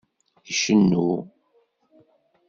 Icennu.